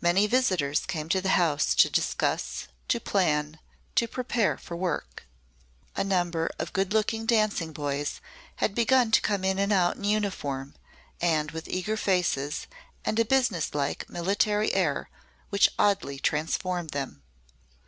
Many visitors came to the house to discuss, to plan, to prepare for work. A number of good looking, dancing boys had begun to come in and out in uniform, and with eager faces and a businesslike military air which oddly transformed them.